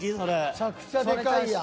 むちゃくちゃでかいやん。